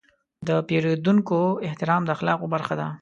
د پیرودونکو احترام د اخلاقو برخه ده.